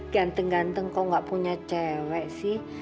ganteng ganteng kok nggak punya cewek sih